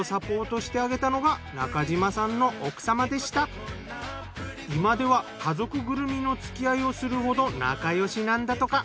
その後今では家族ぐるみの付き合いをするほど仲よしなんだとか。